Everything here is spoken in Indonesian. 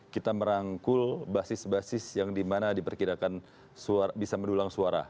kita merangkul basis basis yang dimana diperkirakan bisa mendulang suara